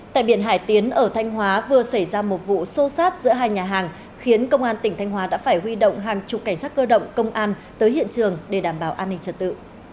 tại biển hải tiến ở thanh hóa vừa xảy ra một vụ xô xát giữa hai nhà hàng khiến công an tỉnh thanh hóa đã phải huy động hàng chục cảnh sát cơ động công an tới hiện trường để đảm bảo an ninh trật tự